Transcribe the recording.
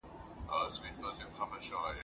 مینه د رنګین بیرغ دي غواړمه په زړه کي !.